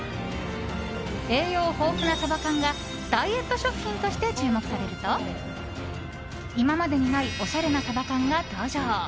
栄養豊富なサバ缶がダイエット食品として注目されると今までにないおしゃれなサバ缶が登場。